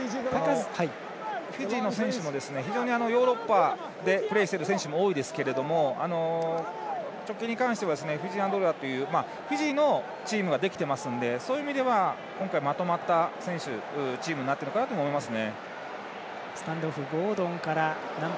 フィジーの選手も非常にヨーロッパでプレーしている選手も多いですけど直近ではフィジアン・ドゥルアというフィジーのチームができてますのでそういった意味では今回、まとまったチームになってるのかなと思います。